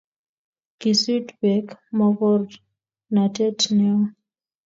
Kisut beek mokornatet neoo.